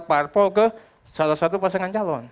parpol ke salah satu pasangan calon